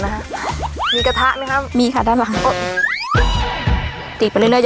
เงี้ยนะคะมีกระทะไหมค่ะมีค่ะด้านหลังติดไปเรื่อยเรื่อย